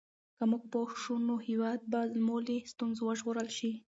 که موږ پوه شو نو هېواد به مو له ستونزو وژغورل شي.